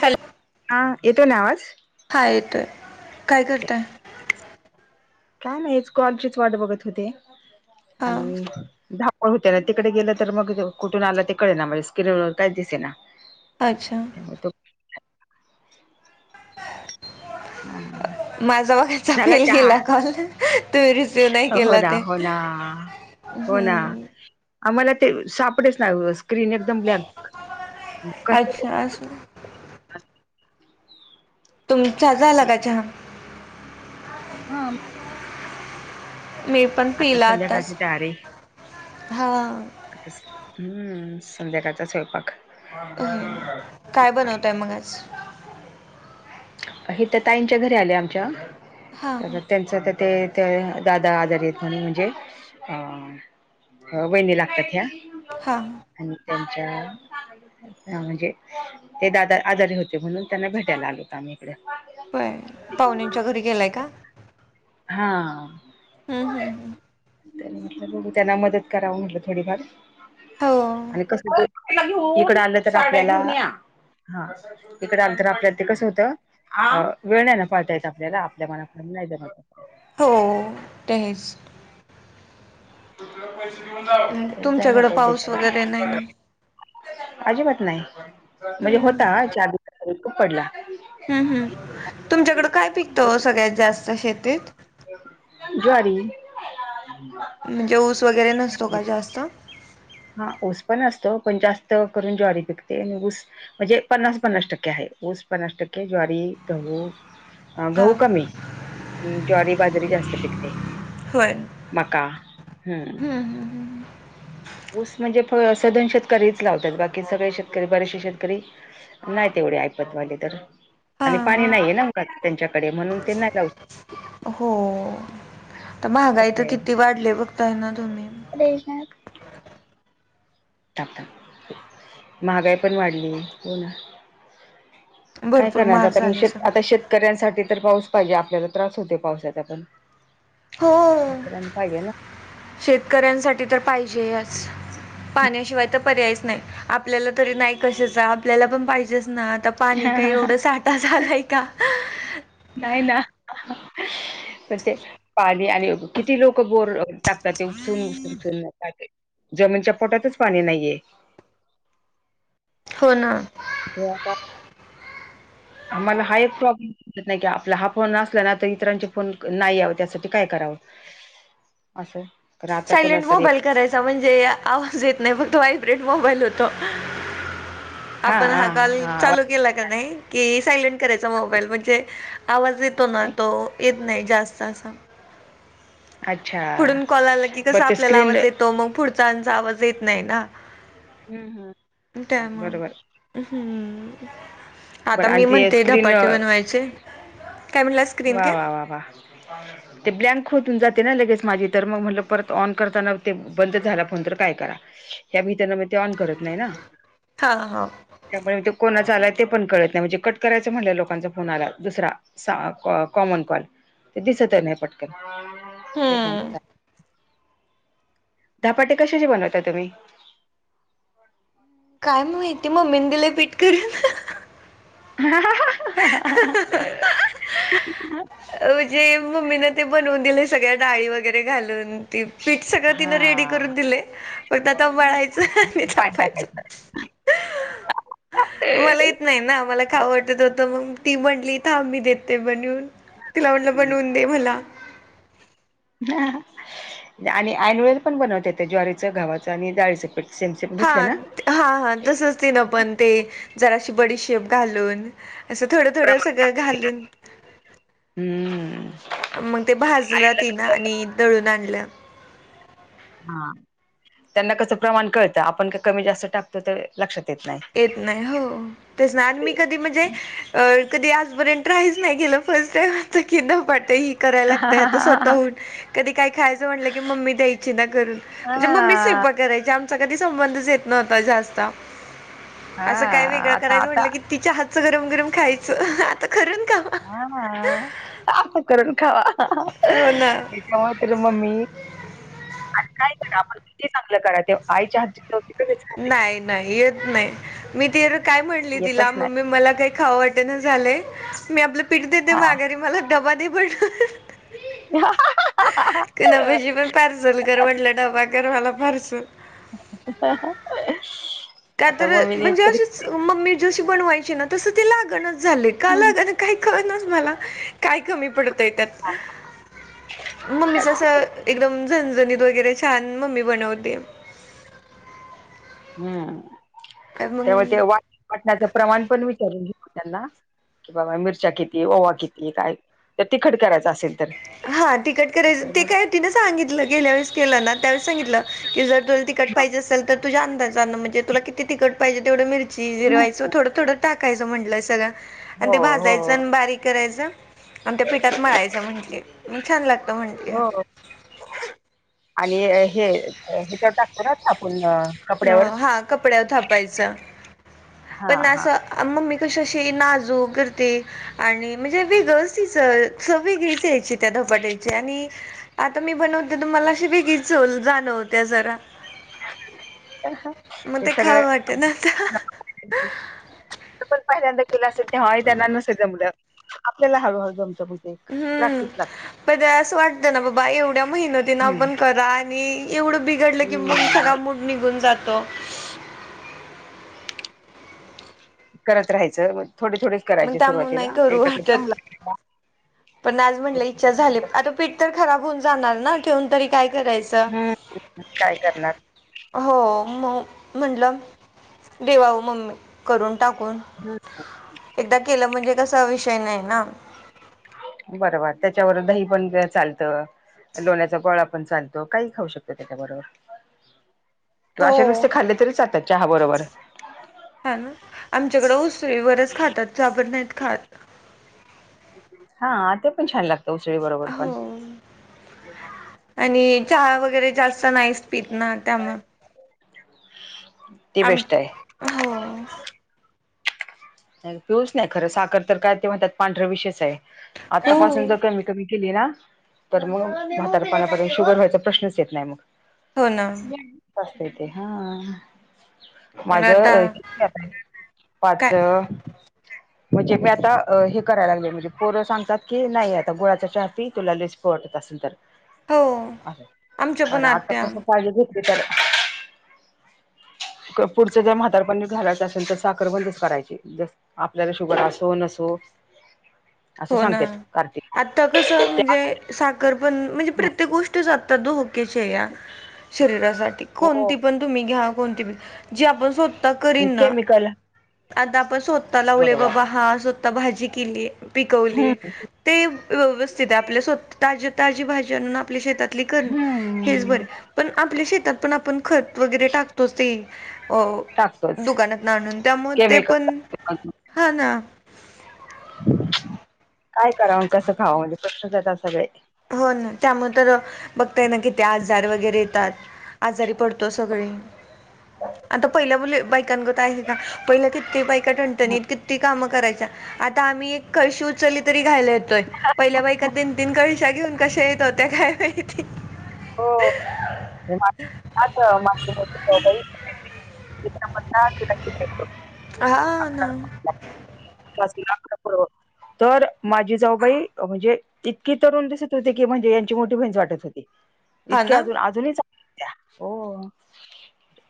Hello हा येतोय ना आवाज? हा येतोय काय करताय? काय नाहीच कॉलचीच वाट बघत होते हा आणि होते ना तिकडे गेलं तर मग कुठून आला ते कळेना म्हणजे स्क्रीन काहीच दिसेना अच्छा [inaudible] [inaudible] हा हा. माझा मगाचा फेल केला कॉल तुम्ही रिसिव नाही हो केला ना ते हो ना हो ना हम्म आम्हाला ते सापडेच ना स्क्रीन एकदम ब्लॅक क. आज तुमचा झाला का चाहा? हा. मी पण आता पिला संध्याकाळची आताच तयारी. हा आ हम्म संध्याकाळचा स्वयंपाक. होय काय बनवतय मग आज? हितं ताईंच्या घरी आले आमच्या हां हां त्यांच ते ते दादा आजार येत म्हणे म्हणजे अ हो वहिणी लागतात ह्या. हा. आणि त्यांच्या हा म्हणजे ते दादा आजारी होते म्हणून त्यांना भेटायला आलो होत आम्ही. इकडे होय पाहुण्यांच्या घरी गेलाय का? हा. हा हा हा. त्यांना मदत करावं म्हटलं थोडीफार हो आणि कस इकड आलं तर आपल्याला हा. इकडे आंतर आपल्याला ते कसं होतं वेळ ना पाळता येत आपल्याला आपल्या मनाकड नाहीत. हो. हो तेच. पैसेऊन जा जाई ना तुमच्याकडं पाऊस ते. वगैरे नाही ना अजिबात नाही म्हणजे हम्म होता खूप पडला. हम् हम् तुमच्याकड काय पिकतं सगळ्यात जास्त शेतीत? ज्वारी. म्हणजे ऊस वगैरे नसतो का जास्त? हा ऊस पण असतो पण जास्त करून ज्वारी पिकते आणि ऊस म्हणजे पन्नास पन्नास टक्के आहे ऊस पन्नास टक्के ज्वारी, गहू अ हा गहू कमी ज्वारी, बाजारी जास्त पिकते. होय. मका हम्म. हम्म हम्म ऊस म्हणजे सधन शेतकरीच लावतात बाकी सगळे शेतकरी बरेचसे शेतकरी नाही तेवढे ऐपतवाले तर. आणि पाणी हा नाहीये ना त्यांच्याकडे म्हणून ते नाही राव हो. तर शकत महागाई तर किती वाढली बघताय ना तुम्ही? रश ना. ापप महागाई पण वाढली हो ना. काय भरपूर करणार महाग आता मग झाले श सगळं. आता शेतकऱ्यांसाठी तर पाऊस पाहिजे आपल्याला त्रास होत पावसाचा पण. हो शकड्यांन पा हीजे ना. शेतकऱ्यांसाठी तर पाहिजेच. पाण्याशिवाय तर पर्यायच नाही आपल्याला तरी नाही कशाचा आपल्याला पण पाहिजेच ना. आता पाणी काही एवढं साठा झालाय का? नाही ना पण ते पाणी आणि किती लोक बोर टाकतात ते उसून उसूनून जमीनच्या पोटातच पाणी नाहीये. हो ना. हता. आम्हाला हाय प्रॉब्लेम. नाही की आपला हा फोन असला ना तर इतरांचे फोन नाही यावं त्यासाठी काय करावं? असं. तर आता सायलंट कोणाच तरी मोबाईल करायचा. म्हणजे आवाज येत नाही फक्त वा्हायब्रेट मोबाईल होतो. आपण हा काॉल चालू केला का नाही की सायलेंट करायचा मोबाईल म्हणजे आवाज तो ना तो येत नाही जास्त असा अच्छा. पुढून कॉल आला की बर ते आपल्याला स्क्रीन आवाज येतो मग पुढचाचा आवाज येत नाही ना. हम्म हम्म. टयम बरोबर हम्म. आता बरं आणि मी ते म्हणते स्क्रीन धपाटे बनवायचे काय म्हणलं? वा वा वा वा. ते ब्लँक होतून जाते ना लगेच माझी तर मग म्हटलं परत ऑन करताना ते बंद झाला फोन तर काय करा. या भितर म ते ऑन करत नाही ना. हा हा. त्यामुळे ते कोणाचा आलाय ते पण कळत नाही म्हणजे कट करायचं म्हणलंय लोकांचा फोन आला दुसरा कॉमन कॉल ते दिसत नाही पटकन हे बंद. हम्म धपाटे कशाचे बनवता तुम्ही? काय माहिती मग मेंदला पीठ कर? ह. [inaudible] अ जे मम्मीन ते बनवून दिले सगळ्या डाळी वगैरे घालून. ती पीठ सगळं तिनं रेडी करून हा दिले फग आता वळायचं आणि पाणी छपायचं. टाकायचं मला येत नाही ना मला खा वाटत होतं मग ती म्हटली थां मी देते बनून. तिलावंलं बनवून दे मला. आणि आऐोळे पण बनवत य त्या ज्वारीचं घावाचं आणि जाळीचं. प सेम सेम हा घेतले ना. हा हा तसंच त ना पण ते जराशी बडीशेप घालून. असं थोडं थोडं प्रमाण. सगळं घालून. हम्म मग ते भाजलं तिन आणि दळून आणलं. हा त्यांना कसं प्रमाण कळतं आपण का कमी जास्त टाकतो ते लक्षात येत नाही. येत नाही हो. तेस ना मी कधी म्हणजे अ कधी आजपर्यंत ट्राईज नाही केलं फर्स्ट टाईम कि तेही करायला लागत आता हा स्वतःहून. कधी काय खायचं म्हटलं की मम्मी द्यायची ना करून म्हणजे मम्मी स्व करायचे आमचा कधी संबंध येत नव्हता जास्त. हा असं काय वेगळं आता करायचं आता म्हटलं कि तिच्या हातचं गरम गरम खायचं आता खरण का. हा करून खावा हो ना एच्या अरे मम्मी नाही का आपण किती चांगलं करा ते आईच्या हद्दी नाही नाही येत नाही मी ति काय म्हणली तिला येतच नाही मी मला काय? खाव वाटन झालंय मी आपलं पीठ देते हा माघारी मला दडबा दे पडत. ह. क ना पाजी पण पार्सल कर म्हटलं डबा कर मला पार्सल. [inaudible] त्या तर मम्मीने म्हणजे तरी अशीच मम्मी जशी बनवायची ना तस ते लागणच झाले का लाग काय ख ना मला काय कमी पडत. म जस काहीतरी कर एकदम झणझणीत वगैरे छान मम्मी बनवते. हम्म त्यामुळे ते मग वाट वाटण्याचं प्रमाण पण विचारून घ त्यांना कि बाबा मिरच्या किती ओवा किती काय तर तिखट करायचं असेल. तर हा तिकट करायचं तर ते मग काय? ति सांगितलं गेल्या वेळे केलं ना त्यावेळेस सांगितलं की जर तुला तिकट पाहिजे असेल तर तुझ्या अंदाज म्हणजे तुला ते तिकट पाहिजे तेवढ मी जिरवायच थोडं थोडं टाकायचं म्हटलं सगळं आणि हो ते हो भाजायचं आणि बारीक करायचं. आणि त्या पिठात मळायचं म्हटले म छान लागतं, म्हटले. [unintelligible] आणि हे हेच्याव टा [unintelligible] न हा कपड्यावर थापायचं हा पण हा असं अ मम्मी कशी अशी नाजूक करते. आणि म्हणजे, वेगळंच तिच वेगळीच यायची त्या धपाट्याची आणि आता मी बनवते तर मला वेगळीच चव जाणवते जरा. [unintelligible] मग ते सगळं खावं वाटे ना आता. पण पहिल्यांदा केलं असेल, तेव्हा हे नसेल त्यांना जमलं आपल्याला हळूहळू जमत म हम्म! पण त्या असं वाटतं ना बाबा एवढ्या मेहनतीन हम्म आपण करा आणि एवढं बिघडलं की, मग सगळा हम्म मूड निघून जातो. करत राहायचं थोडे थोडेच मग करायचे, त्यामुळे नाही सुरुवातीला करू एकदा जम वाटत. पण आज म्हणलं इच्छा झाली, आता पीठ तर खराब होऊन जाणार ना ठेवून तरी काय करायचं? हम्म. [unintelligible] काय करणार? हो, म म्हटलं देवाव मम्मी करून टाकून हम्म. एकदा केलं म्हणजे, कसा विषय नाही ना? बरोबर त्याच्यावर दही पण चालतं. लोण्याचा गोळा पण चालतो, काही पण खाऊ शकतो त्याच्या बरोबर. [inaudible] किंवा असे हो. नुसते खाल्ले तरी चालततयं चहा बरोबर. हा ना आमच्याकडे उसळी बरोबरच खातात चहा बरोबर नाहीत खात. हा, ते पण छान! लागतं. [unintelligible] पण हो. आणि चहा वगैरे जास्त नाहीच पित ना त्यामुळे ती आम बेस्ट आहे. हो पिऊ च नाही खरं साखर तर, काय ते म्हणतात? पांढर विषचं आहे. हो आतापासून जर कमी कमी केली ना? तर मग म्हातार पणा पर्यंत शुगर व्हायचा प्रश्नच येतं, नाही मग. हो ना, [unintelligible] हा पण माझ आता [unintelligible] किती पाच काय म्हणजे मी आता हे करायला लागले, म्हणजे पोरं सांगतात की नाही आता गुळाच्या चहा पी तुला लय [unintelligible] असेल तर हो आमच्या तर पण आत्या आतापसून काळजी घेतली तर पुढं जर म्हातार पण घालवायचं असेल, तर साखर बंदच करायच आपल्याला शुगर असो नसो असं हो ना सांगणार, कार्तिक आता कसं म्हणजे साखर पण म्हणजे प्रत्येक गोष्टीच आता धो [unintelligible] शरीरासाठी हो कोणती पण तुम्ही घ्या कोणती बी जे आपण त करीन ना केमिकल आता आपण स्वतः लावले बरोबर बाबा हा स्वतः भाजी केली. पिकवली हम्म ते व्यवस्थित आहे आपल्या स्वतः ताजी ताजी भाज्यांना आपल्या शेतातली कण हेच हम्म बरे पण आपल्या शेतात पण आपण खरं वगैरे टाकतोच ते अ टाकतोच दुकानात आणून त्यामुळे ते केमिकल पण टाकतो अजून हा, ना. काय कराव अनं कस खावं म्हणजे [unintelligible] सगळे हो, ना त्यामुळे तर बघताय ना किती आजार वगैरे येतात. आजारी पडतो सगळे आता, पहिल्या मुली बायकांगत आहेत का? पहिला किती बायका ठणठणीत किती कामं करायच्या आता, आम्ही एक कळशी उचली तरी घाईला येतोय. पहिल्या बायका तीन तीन कळशा घेऊन कशा येत होत्या, काय माहिती? हो. [unintelligible] हा ना. पास [unintelligible] तर माझी जाऊबाई म्हणजे इतकी तरुण दिसत होती की म्हणजे यांची मोठी बहिच वाटत होती. हा इतक्या ना अजून अजूनही चांगल्या [unintelligible] त्या हो.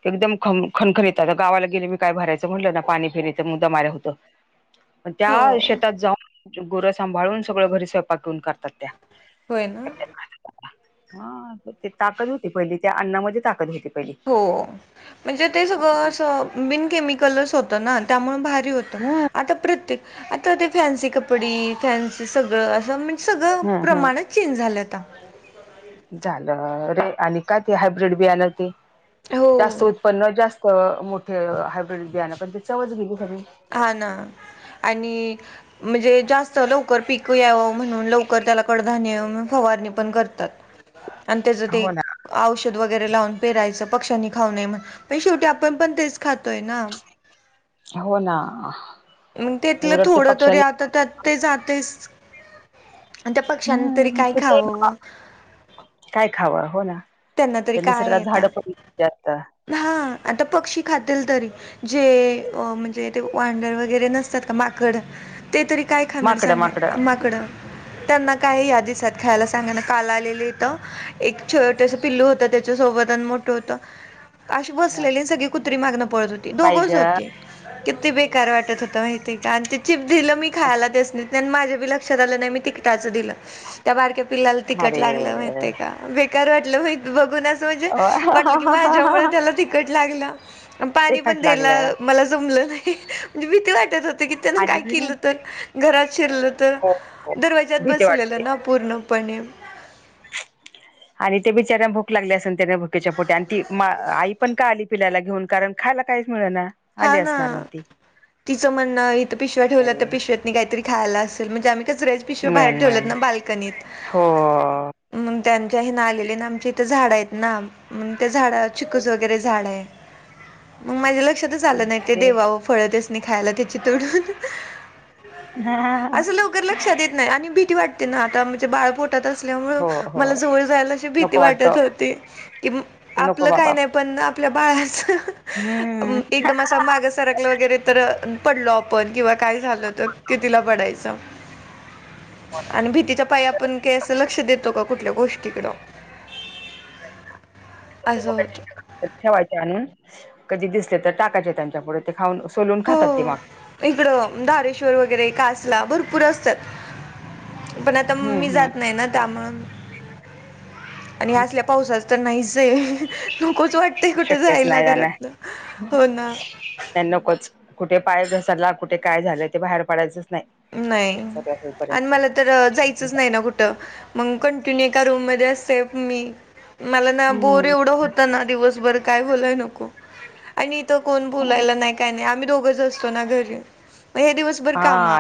एकदम खम खणखाणीत आता गावाला गेले की काय भरायचं म्हटलं ना पाणी फिरी तर मुद्दा [unintelligible] होतं. [unintelligible] त्या शेतात जाऊन गोरं सांभाळून सगळं घरी स्वयंपाक यऊन करतात त्या. होय ना. हा ते ताकद होती पहिली त्या अण्णामध्ये ताकद होती पहिली. हो म्हणजे ते सगळं बिन केमिकलच होतं ना हम्म ते. आता ती फॅन्सी कपडे फॅन्सी सगळं सगळ हम्म हम्म प्रमाणात चेंज झालं आता. झालं रे आणि का ते हायब्रीड बी आण ते हो जास्त उत्पन्न जास्त मोठे हायब्र्रीड ब ना पण त्याच्यावज घेथ मही. हा ना आणि म्हणजे जास्त लवकर पीक टिकू यावं म्हणून लवकर त्याला कडधाान्य फवारणी पण करतात. आणि तेज ते हो ना औषध वगैरे लावून पेरायचं पक्ष्यांनी खाऊ नये म्हण शेवटी आपण पण तेच खातोय ना. हो ना. मग त्यातलं उलट ते थोडं तरी पक्षाने आता त्यात ते जातयच. आणि त्या पक्ष्यांनी तरी हम्म काय ते खाववं. काय खाव हो ना त्यांना तरी त्यांनी काय सगळा आहे झाडं आता पडली आता. हा आता पक्षी खातील तरी जे म्हणजे ते वानर वगैरे नसतात का माकड. ते तरी काय खाणार सांगाल माकडं त्यांना काय या दीसात [unintelligible] सांगाना काल आलेली इथ एक छोटस पिल्लू होतं त्याच्या सोबत आण मोठं होत. अशी बसलेली सगळी कुत्री मागणं पळत होती बाई ग दोघंच होती. किती बेकार वाटत होता माहितीय का आणि ते चिप दिलं मी खायला त्यासणी. माझ्या बी लक्षात आलं नाही मी तिकिटाचं दिलं त्या बारक्या पिल्लाला तिकीट लागलं माहििते अरे का. बेकार वाटलं हो बघून असं म्हणजे वाटलं की माझ्यामुळ त्याला तिक तिकट लागला पाणी पण तिखट द्यायला लागलं मला जमलं नाही म्हणजे भिती वाटत होती की. त्यान काय आणि केलं तर घरात शिरलं तर हो हो दरवाज्यात भीती वाटते बसलेलं ना. पूर्णपणे. आणि ते बिचार्यांना भूक लागली असन त्यांना भुक्याच्या पोटी आणि ती आई पण का आली पिलाला घेऊन कारण. खायला काहीच मिळना. हा ना तिचं म्हणणं इथं पिशव्या ठेवला तर बिचारी पिशव्यात. काहीतरी खायला असेल म्हणजे आम्ही काराच्या पिशवा मिळेल बाहेर ठेवलत मिळेल ना बाल्कनीत. हो मग त्यांच्या हे [unintelligible] ना आमचे इथे झाडं आहेत ना. मग त्या झाडा चिकूच वगैरे झाड आहे मग माझ्या लक्षातच आलं नाइ ते देवाव. फळ त्यासनी खायला त्याची तोडून अस लवकर लक्षात येत. नाही आणि भीती वाटते ना आता म्हजे बाळप [unintelligible] असल्यामुळ हो हो मला जवळ जायला अशी भीती नको वाटत वाटतत होती. कि नको आपलं काही बाबा नाही पण, आपल्या बाळाच हम्म एकदम असा माग सारकलं वगैरे तर. पडलो आपण किंवा काय झाल तर कितीला पडायचं. आणि भीतीच्या पाइं आपण. असं लक्ष देतो का कुठल्या गोष्टीकड असं होत. ठेवायचे आणून कधी दिसले तर टाकायचे त्यांच्या पुढे ते खाऊन सोलून खातात तेी हो माग. इकडं धारेश्वर वगैरे कासला भरपूर असतात. पण आता हम्म मी हम्म जात नाही ना त्यामु आणि आल्या पावसाच तर नाहीच जाईल. नकोच वाटतय कुठे शक्यच जायला जाणार घरात ना हो ना. नाही नकोच कुठे पाय घसारला कुठे काय झालंय ते बाहेर पडायचंच नाही. नाही सगळं आणि होईपर्यंत मला तर जायचंच नाही ना कुठं मग कंटिन्यू एका रूम मध्ये असते मी मला ना बोर एवढं होता ना दिवसभर काय बोलाय नको. आणि इथ कोण बोलायला नाही काय नाही आम्ही दोघंच असतो ना घरी ये मग हे दिवस बर कामा. हा